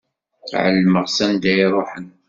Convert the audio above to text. Ɛelmeɣ s anda i iruḥen.